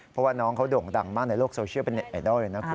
เพราะว่าน้องเขาโด่งดังมากในโลกโซเชียลเป็นเน็ตไอดอลเลยนะคุณ